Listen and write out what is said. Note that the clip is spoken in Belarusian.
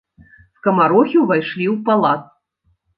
Скамарохі ўвайшлі ў палац.